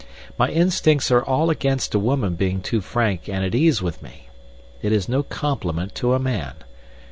My instincts are all against a woman being too frank and at her ease with me. It is no compliment to a man.